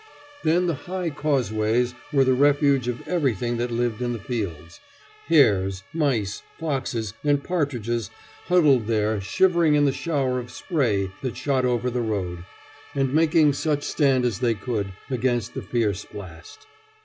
Then the high causeways were the refuge of everything that lived in the fields; hares, mice, foxes, and partridges huddled there, shivering in the shower of spray that shot over the road, and making such stand as they could against the fierce blast.